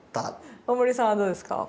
大森さんはどうですか？